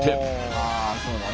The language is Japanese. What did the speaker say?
ああそうだな